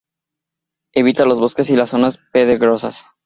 Evita los bosques y las zonas pedregosas.